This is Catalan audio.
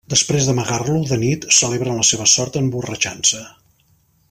Després d'amagar-lo, de nit, celebren la seva sort emborratxant-se.